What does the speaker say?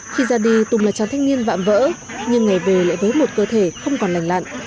khi ra đi tùng là chàng thanh niên vạm vỡ nhưng ngày về lại với một cơ thể không còn lành lặn